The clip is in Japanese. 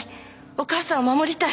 お母さんを守りたい。